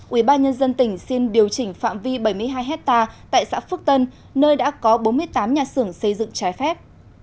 ubnd tỉnh xin điều chỉnh phạm vi bảy mươi hai hectare tại xã phước tân nơi đã có bốn mươi tám nhà xưởng xây dựng trái phép